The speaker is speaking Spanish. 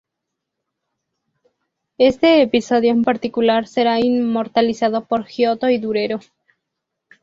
Este episodio en particular será inmortalizado por Giotto y Durero.